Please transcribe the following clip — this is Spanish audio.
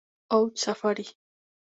Out Safari.